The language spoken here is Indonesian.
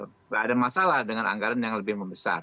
tidak ada masalah dengan anggaran yang lebih membesar